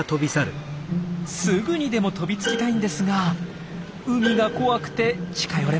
すぐにでも飛びつきたいんですが海が怖くて近寄れません。